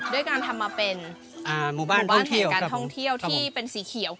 ด้วยการทำมาเป็นหมู่บ้านแห่งการท่องเที่ยวที่เป็นสีเขียว